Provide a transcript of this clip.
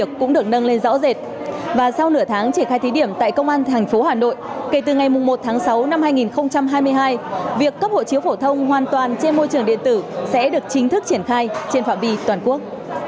công an cũng được nâng lên rõ rệt và sau nửa tháng triển khai thí điểm tại công an thành phố hà nội kể từ ngày một tháng sáu năm hai nghìn hai mươi hai việc cấp hộ chiếu phổ thông hoàn toàn trên môi trường điện tử sẽ được chính thức triển khai trên phạm vi toàn quốc